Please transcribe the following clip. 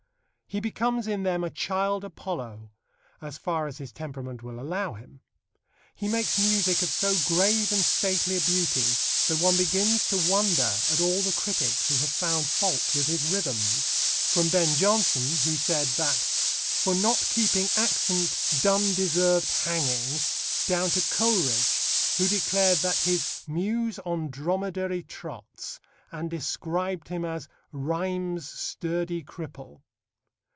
He becomes in them a child Apollo, as far as his temperament will allow him. He makes music of so grave and stately a beauty that one begins to wonder at all the critics who have found fault with his rhythms from Ben Jonson, who said that "for not keeping accent, Donne deserved hanging," down to Coleridge, who declared that his "muse on dromedary trots," and described him as "rhyme's sturdy cripple."